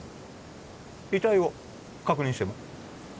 遺体を確認しても？